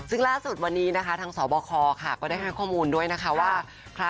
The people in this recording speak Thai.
ซึ่งล่าสุดที่วันนี้ทางสบคได้ให้ข้อมูลด้วยว่า